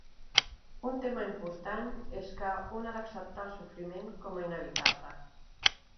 Un tema important és que un ha d'acceptar el sofriment com a inevitable.